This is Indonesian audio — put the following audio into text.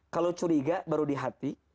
kalau curiga baru di hati